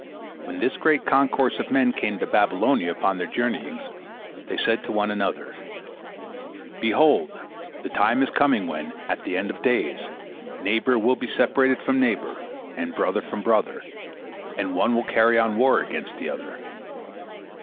When this great concourse of men came to Babylonia upon their journeyings, they said to one another: "Behold, the time is coming when, at the end of days, neighbor will be separated from neighbor, and brother from brother, and one will carry on war against the other.